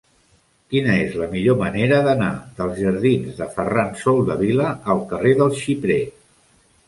Quina és la millor manera d'anar dels jardins de Ferran Soldevila al carrer del Xiprer?